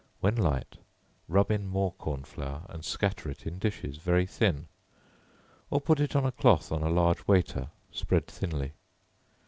When light, rub in more corn flour, and scatter it in dishes, very thin, (or put it on a cloth on a large waiter, spread thinly.)